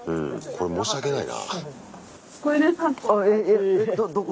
これ申し訳ないな。